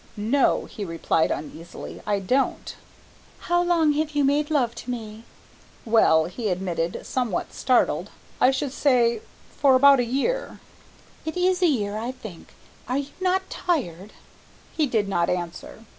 "No," he replied uneasily, "I don't." "How long have you made love to me?" "Well," he admitted, somewhat startled, "I should say, for about a year." "It is a year, I think. Are you not tired?" He did not answer.